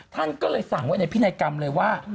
ท่านก็เลยสั่งไว้ในพินัยกรรมเลยว่า